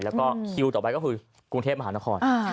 แล้วก็คิวต่อไปก็คือกรุงเทพมหานคร